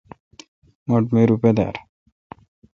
مٹھ می روپہ دار۔